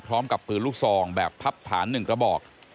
พร้อมกับปืนลูกซองแบบพับฐาน๑กระบอก